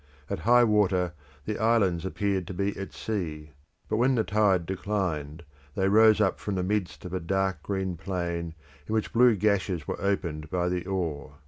At high water the islands appeared to be at sea; but when the tide declined, they rose up from the midst of a dark green plain in which blue gashes were opened by the oar.